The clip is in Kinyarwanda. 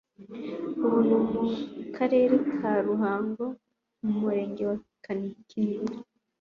ubu ni mu Karere ka Ruhango mu Murenge wa Kinihira